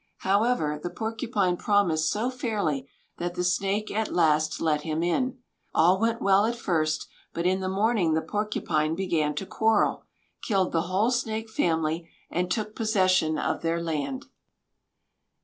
However, the Porcupine promised so fairly that the Snake at last let him in. All went well at first; but in the morning the Porcupine began to quarrel, killed the whole Snake family, and took possession of their land.